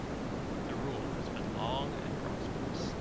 The rule has been long and prosperous.